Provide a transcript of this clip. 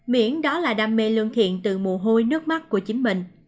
miễn đó là đam mê lương thiện từ mồ hôi nước mắt của chính mình